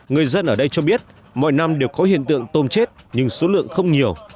người dân ở đây cho biết mọi năm đều có hiện tượng tôm chết nhưng số lượng không nhiều